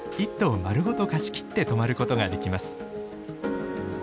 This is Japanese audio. １棟丸ごと貸し切って泊まることができます。